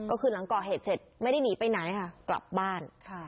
ก็คือหลังก่อเหตุเสร็จไม่ได้หนีไปไหนค่ะกลับบ้าน